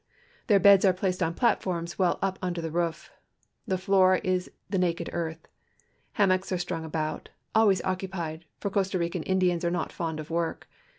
Their beds are placed on platforms well up under the roof. The floor is the naked earth. Hammocks are strung about, always occupied, for Costa Rican Indians are not fond of Avork.